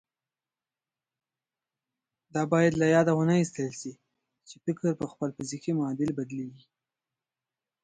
دا بايد له ياده ونه ايستل شي چې فکر پر خپل فزيکي معادل بدلېږي.